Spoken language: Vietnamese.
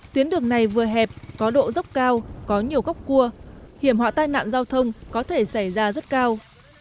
tuyến đường này vừa hẹp có độ dốc cao có nhiều góc cua hiểm họa tai nạn giao thông có thể xảy ra rất cao